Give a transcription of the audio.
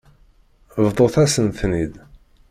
Bḍut-asent-ten-id.